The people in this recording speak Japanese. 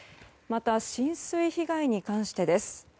また、浸水被害に関してです。